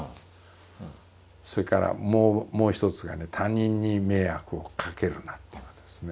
それからもう一つがね他人に迷惑をかけるなっていうことですね。